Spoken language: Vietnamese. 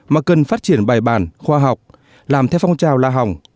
mà cần phát triển bài bản khoa học làm theo phong trào la hỏng